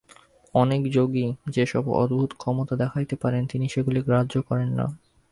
অনেক যোগী যে-সব অদ্ভুত ক্ষমতা দেখাইতে পারেন, তিনি সেগুলি গ্রাহ্য করেন না।